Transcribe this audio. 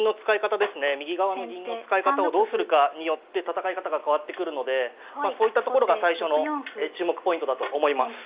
右側の銀の使い方をどうするかによって戦い方が変わってくるのでまあそういったところが最初の注目ポイントだと思います。